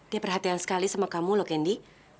dia perhatian sekali sama kamu lho candy